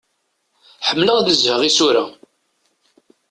Ḥemmleɣ ad nezheɣ isura.